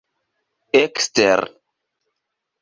ekster